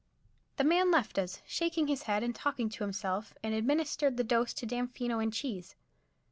The man left us, shaking his head and talking to himself, and administered the dose to Damfino and Cheese.